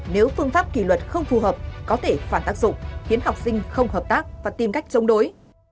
nếu phương pháp kỷ luật không phù hợp có thể phản tác dụng khiến học sinh không hợp tác và tìm cách chống đối